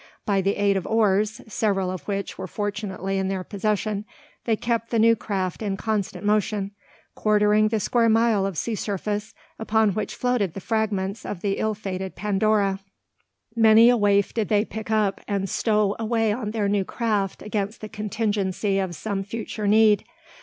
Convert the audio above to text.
By the aid of oars, several of which were fortunately in their possession, they kept the new craft in constant motion; quartering the square mile of sea surface, upon which floated the fragments of the ill fated Pandora. Many a waif did they pick up, and stow away on their new craft against the contingency of some future need.